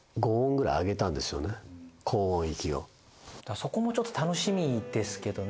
そこもちょっと楽しみですけどね